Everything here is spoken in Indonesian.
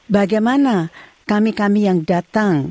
bagaimana kami kami yang datang